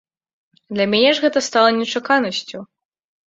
Для мяне ж гэта стала нечаканасцю.